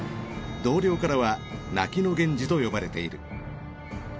同僚からは泣きの源次と呼ばれている。